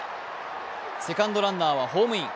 セカンドランナーはホームイン。